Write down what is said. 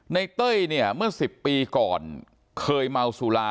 เต้ยเนี่ยเมื่อ๑๐ปีก่อนเคยเมาสุรา